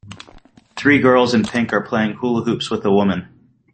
Three girls in pink are playing hula hoops with a woman.